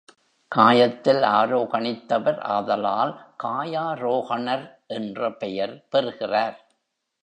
காயத்தில் ஆரோகணித்தவர் ஆதலால் காயாரோகணர் என்ற பெயர் பெறுகிறார்.